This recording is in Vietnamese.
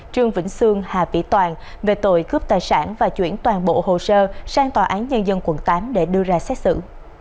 trương vĩnh sương hà vĩ toàn về tội cướp tài sản và chuyển toàn bộ hồ sơ sang tòa án nhân dân quận tám để đưa ra xét xử